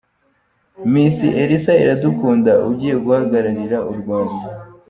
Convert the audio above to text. Miss Elsa Iradukunda ugiye guhagararira u Rwanda.